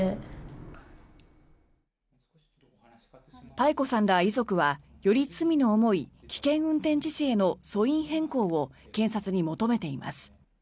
多恵子さんら遺族はより罪の重い危険運転致死への訴因変更を検察に求めています。